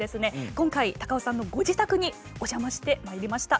今回高尾さんのご自宅にお邪魔してまいりました。